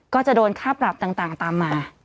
ก็จะโดนค่าปรับต่างตามมา